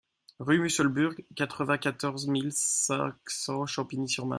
Rue Musselburgh, quatre-vingt-quatorze mille cinq cents Champigny-sur-Marne